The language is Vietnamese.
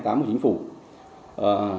thời gian này